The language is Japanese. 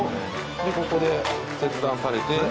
でここで切断されて。